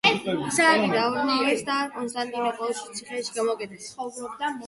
ისააკი დააბრმავეს და კონსტანტინოპოლში ციხეში გამოკეტეს.